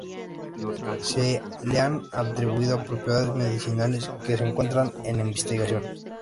Se le han atribuido propiedades medicinales que se encuentran en investigación.